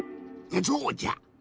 そうじゃ！